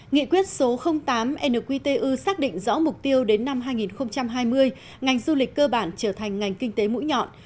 nghị quyết số tám nqtu xác định rõ mục tiêu đến năm hai nghìn hai mươi ngành du lịch cơ bản trở thành ngành kinh tế mũi nhọn